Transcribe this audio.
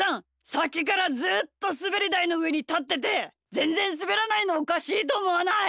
さっきからずっとすべりだいのうえにたっててぜんぜんすべらないのおかしいとおもわない？